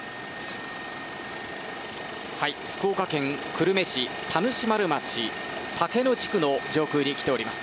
福岡県久留米市田主丸町竹野地区の上空に来ております。